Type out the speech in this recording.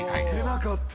出なかった！